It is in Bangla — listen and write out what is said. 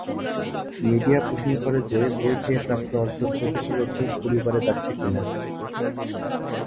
মিডিয়া প্রশ্ন করে যে, বই থেকে প্রাপ্ত অর্থ প্রকৃতপক্ষে পরিবারে যাচ্ছে কিনা?